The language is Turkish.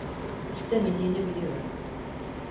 İstemediğini biliyorum.